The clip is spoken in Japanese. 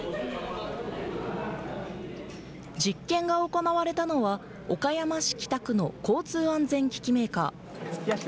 実験が行われたのは岡山市北区の交通安全機器メーカー。